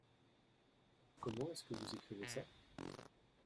Comment est-ce que vous écrivez ça ?